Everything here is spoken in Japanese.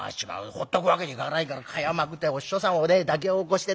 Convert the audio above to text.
ほっとくわけにいかないから蚊帳をまくってお師匠さんを抱き起こしてね